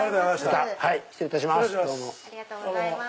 失礼いたします。